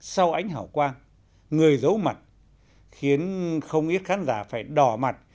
sau ánh hảo quang người giấu mặt khiến không ít khán giả phải đò mặt